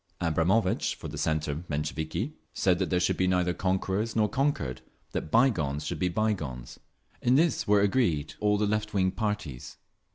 Abramovitch, for the centre Mensheviki, said that there should be neither conquerors nor conquered—that bygones should be bygones. …In this were agreed all the left wing parties.